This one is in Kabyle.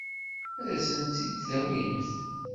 Ad asent-tt-id-tawimt?